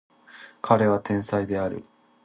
彼は天才である